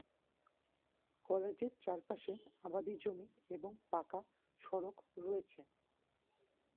কলেজের চারপাশে আবাদী জমি এবং পাঁকা সড়ক রয়েছে।